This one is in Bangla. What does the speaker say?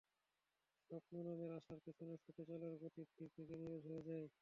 স্বপ্ন নামের আশার পেছনে ছুটে চলার গতি ধীর থেকে ধীরজ হয়ে যায়।